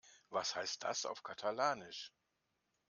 Was heißt das auf Katalanisch?